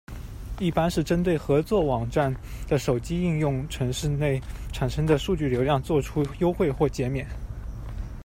一般是针对合作网站的手机应用程式内产生的数据流量做出优惠或减免。